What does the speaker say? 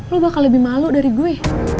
lo bakal lebih malu dari gue